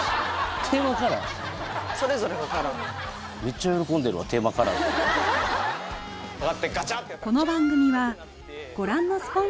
それぞれのカラーめっちゃ喜んでるわテーマカラーさあ